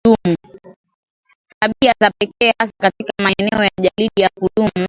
tabia za pekee hasa katika maeneo ya jalidi ya kudumu